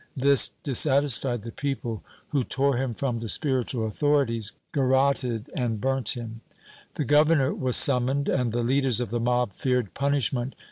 This dis satisfied the people who tore him from the spiritual authorities, garroted and burnt him. The governor was summoned, and the leaders of the mob feared punishment.